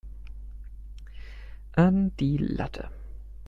An die Latte!